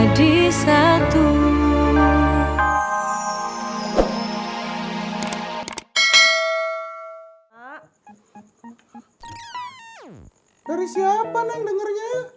dari siapa neng dengernya